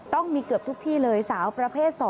ต้องมีเกือบทุกที่เลยสาวประเภท๒